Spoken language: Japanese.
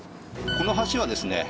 この橋はですね